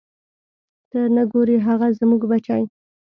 ته نه ګورې هغه زموږ بچی.